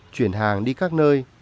chuyển hàng đi các nơi